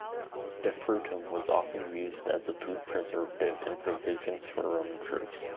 Defrutum was often used as a food preservative in provisions for Roman troops.